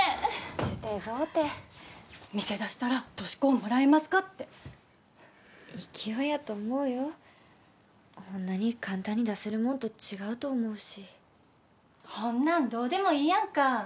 ジュテ蔵て店出したら俊子をもらえますかって勢いやと思うよほんなに簡単に出せるもんと違うと思うしほんなんどうでもいいやんか